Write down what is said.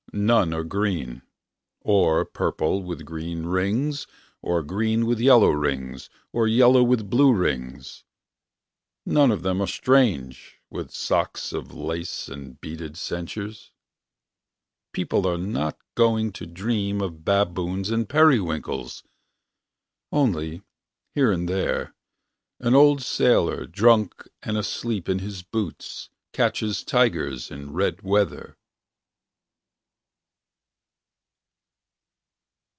None are green, Or purple with green rings, Or green with yellow rings, Or yellow with blue rings. None of them are strange, With socks of lace And beaded ceintures. People are not going To dream of baboons and periwinkles. Only, here and there, an old sailor, Drunk and asleep in his boots, Catches Tigers In red weather.